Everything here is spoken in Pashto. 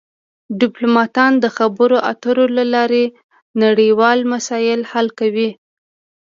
ډیپلومات د خبرو اترو له لارې نړیوال مسایل حل کوي